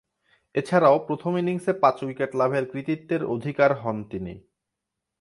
এছাড়াও প্রথম ইনিংসে পাঁচ উইকেট লাভের কৃতিত্বের অধিকার হন তিনি।